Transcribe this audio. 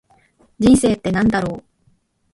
人生って何だろう。